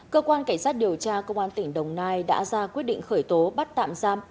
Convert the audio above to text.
cơ quan cảnh sát điều tra công an tỉnh đồng nai đã ra quyết định khởi tố bắt tạm giam